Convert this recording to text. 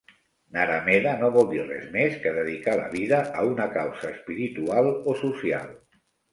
Naramedha no vol dir res més que dedicar la vida a una causa espiritual o social.